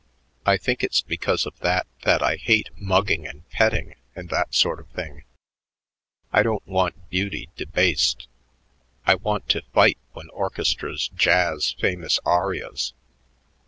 I think it's because of that that I hate mugging and petting and that sort of thing. I don't want beauty debased. I want to fight when orchestras jazz famous arias.